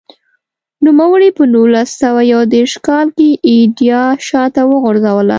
نوموړي په نولس سوه یو دېرش کال کې ایډیا شاته وغورځوله.